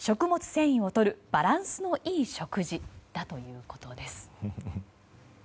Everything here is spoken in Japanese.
繊維をとるバランスのいい食事だということです。